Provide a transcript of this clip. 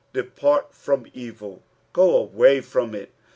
Depart fivm eeU." do away from it.